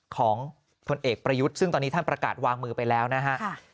ของพลเอกประยุทธ์ซึ่งตอนนี้ท่านประกาศวางมือไปแล้วนะฮะ